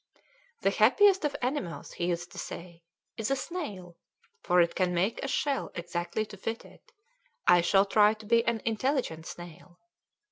"The happiest of animals," he used to say, "is a snail, for it can make a shell exactly to fit it; I shall try to be an intelligent snail."